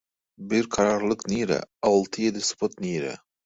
Bir kararlylk nire, alty-ýedi sypat nire?